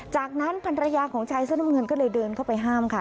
จากนั้นภรรยาของชายเสื้อน้ำเงินก็เลยเดินเข้าไปห้ามค่ะ